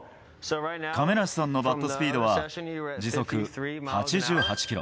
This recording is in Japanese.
亀梨さんのバットスピードは時速８８キロ。